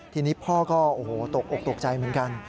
ทีนี้พ่อก็โกรธอวกตกใจเหมือนกัน